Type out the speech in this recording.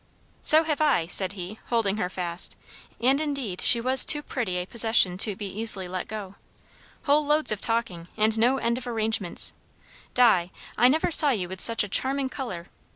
"So have I," said he, holding her fast; and indeed she was too pretty a possession to be easily let go. "Whole loads of talking, and no end of arrangements. Di, I never saw you with such a charming colour.